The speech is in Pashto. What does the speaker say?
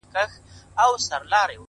ستا د ژبې کيفيت او معرفت دی ـ